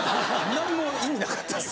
何も意味なかったです